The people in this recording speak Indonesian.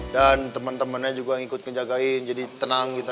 dan temen temennya juga ikut ngejagain jadi tenang kita